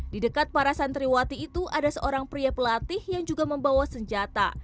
di dekat para santriwati itu ada seorang pria pelatih yang juga membawa senjata